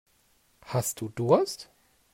Hast du Durst?